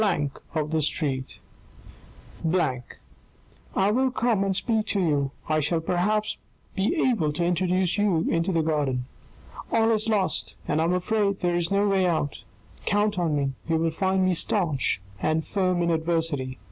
of the street I will come and speak to you : I shall perhaps be able to introduce you into the garden. All is lost, and I am afraid there is no way out ; count on me ; you will find me staunch and firm in adversity.